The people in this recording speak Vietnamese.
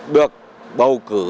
được bầu cử